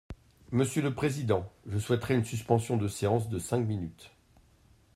Monsieur le président, je souhaiterais une suspension de séance de cinq minutes.